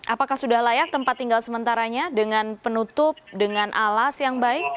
apakah sudah layak tempat tinggal sementaranya dengan penutup dengan alas yang baik